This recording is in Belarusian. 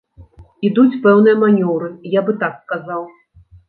Ідуць пэўныя манёўры, я бы так казаў.